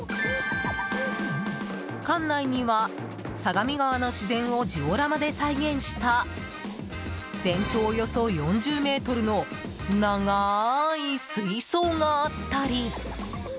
館内には、相模川の自然をジオラマで再現した全長およそ４０ｍの長い水槽があったり。